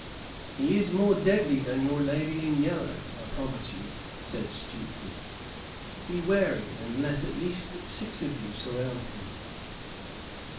"He is more deadly than your Lady in Yellow, I promise you," said Stuteley. "Be wary, and let at least six of you surround him."